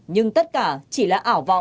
nhưng tất cả chỉ là